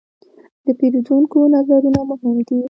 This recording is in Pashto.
د پیرودونکو نظرونه مهم دي.